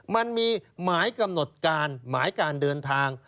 มันมีหมายกำหนดการหมายการเดินทาง